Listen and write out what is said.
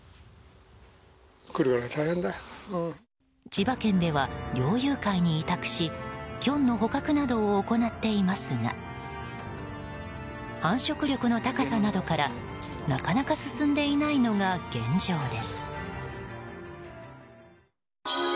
千葉県では猟友会に委託しキョンの捕獲などを行っていますが繁殖力の高さなどからなかなか進んでいないのが現状です。